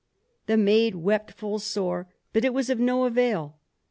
The maid wept full sore, but it was of no avail.